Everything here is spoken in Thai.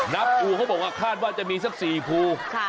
นับภูเขาบอกว่าคาดว่าจะมีสัก๔ภู